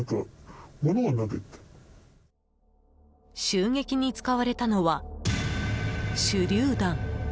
襲撃に使われたのは手りゅう弾。